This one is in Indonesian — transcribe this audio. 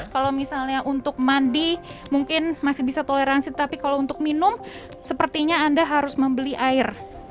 kalau misalnya untuk mandi mungkin masih bisa toleransi tapi kalau untuk minum sepertinya anda harus membeli air